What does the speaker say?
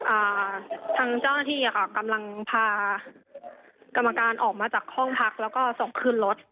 อ่าทางเจ้าหน้าที่อ่ะค่ะกำลังพากรรมการออกมาจากห้องพักแล้วก็ส่งขึ้นรถ